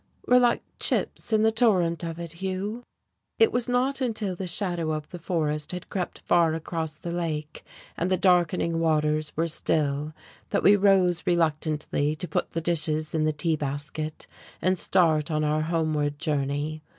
"We're like chips in the torrent of it, Hugh.".... It was not until the shadow of the forest had crept far across the lake and the darkening waters were still that we rose reluctantly to put the dishes in the tea basket and start on our homeward journey.